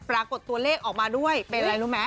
ปรากฏตัวเลขออกมาด้วยเป็นอะไรรู้ไหม